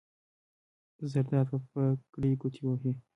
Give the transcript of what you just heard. زرداد په پګړۍ ګوتې ووهلې.